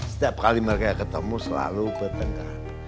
setiap kali mereka ketemu selalu bertengkar